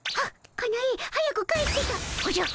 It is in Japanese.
かなえ早く帰ってたおじゃっ。